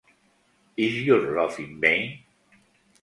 Is Your Love in Vain?